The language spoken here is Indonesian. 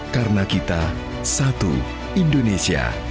karena kita satu indonesia